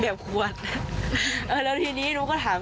กลับกับบอทน้องผู้ค่ะ